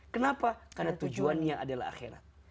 kenapa karena tujuannya adalah akhirat